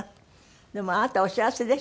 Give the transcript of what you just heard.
でもあなたお幸せでしたね